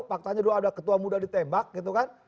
faktanya dulu ada ketua muda ditembak gitu kan